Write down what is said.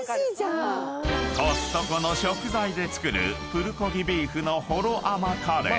［コストコの食材で作るプルコギビーフのほろ甘カレー］